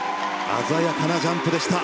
鮮やかなジャンプでした。